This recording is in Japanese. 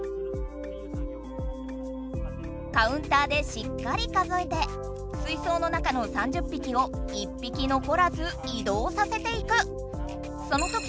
カウンターでしっかり数えて水槽の中の３０ぴきを１ぴきのこらず移動させていく！